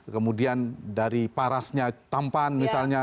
kemudian dari parasnya tampan misalnya